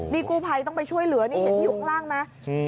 นี่กู้ภัยต้องไปช่วยเหลือนี่เห็นที่อยู่ข้างล่างไหม